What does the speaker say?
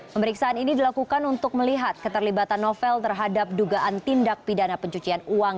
pemeriksaan ini dilakukan untuk melihat keterlibatan novel terhadap dugaan tindak pidana pencucian uang